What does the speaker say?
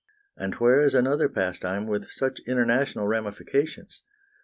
And where is another pastime with such international ramifications?